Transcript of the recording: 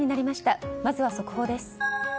まずは速報です。